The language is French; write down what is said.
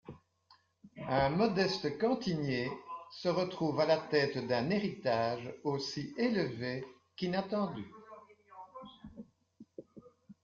Un modeste cantinier se retrouve à la tête d'un héritage aussi élevé qu'inattendu.